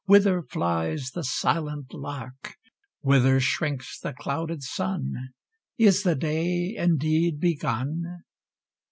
Whither flies the silent lark? Whither shrinks the clouded sun? Is the day indeed begun?